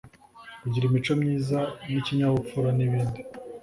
kugira imico myiza n’ikinyabupfura n’ibindi